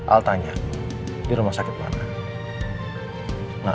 al tanya di rumah sakit mana